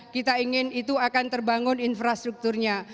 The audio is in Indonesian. kita ingin itu akan terbangun infrastrukturnya